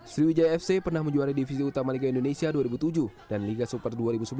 sriwijaya fc pernah menjuari divisi utama liga indonesia dua ribu tujuh dan liga super dua ribu sebelas dua ribu dua belas